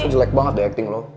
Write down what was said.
jelek banget deh acting lo